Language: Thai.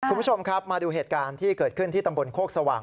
คุณผู้ชมครับมาดูเหตุการณ์ที่เกิดขึ้นที่ตำบลโคกสว่าง